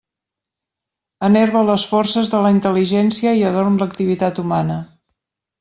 Enerva les forces de la intel·ligència i adorm l'activitat humana.